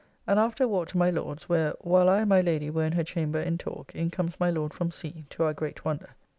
And after a walk to my Lord's; where, while I and my Lady were in her chamber in talk, in comes my Lord from sea, to our great wonder.